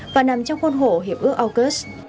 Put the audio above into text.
và nằm trong khuôn khổ hiệp ước aukus